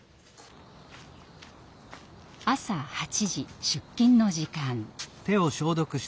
朝８時出勤の時間。